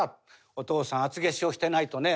「お父さん厚化粧してないとね